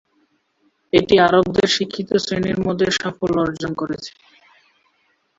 এটি আরবদের শিক্ষিত শ্রেণীর মধ্যে সাফল্য অর্জন করেছে।